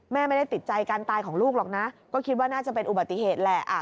ไม่ได้ติดใจการตายของลูกหรอกนะก็คิดว่าน่าจะเป็นอุบัติเหตุแหละ